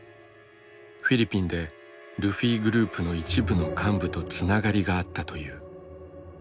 フィリピンでルフィグループの一部の幹部とつながりがあったという。